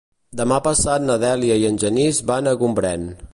Demà passat na Dèlia i en Genís van a Gombrèn.